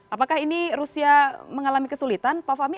apakah ini rusia mengalami kesulitan pak fahmi